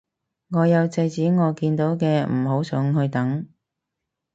我有制止我見到嘅唔好上去等